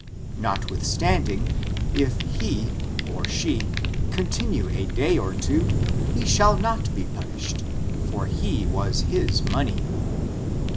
Not withstanding, if he (or she) continue a day or two, he shall not be punished, for he was his money.